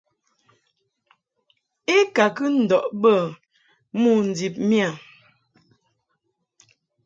I ka kɨ ndɔʼ bə mo ndib miƴa.